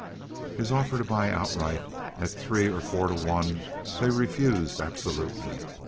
His offer to buy outright at three or four for one they refused absolutely.